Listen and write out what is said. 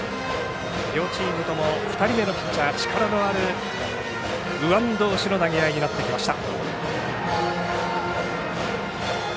両チームとも２人目のピッチャー力のある右腕どうしの投げ合いになってきました。